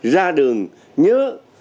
ra đường nhớ